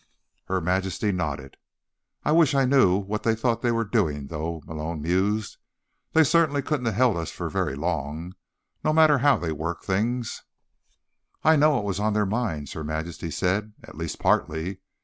Her Majesty nodded. "I wish I knew what they thought they were doing, though," Malone mused. "They certainly couldn't have held us for very long, no matter how they worked things." "I know what was on their minds," Her Majesty said. "At least partly.